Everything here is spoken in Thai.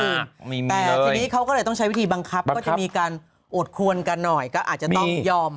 แต่ทีนี้เขาก็เลยต้องใช้วิธีบังคับก็จะมีการอดควรกันหน่อยก็อาจจะต้องยอม